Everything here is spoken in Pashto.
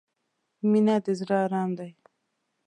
• مینه د زړۀ ارام دی.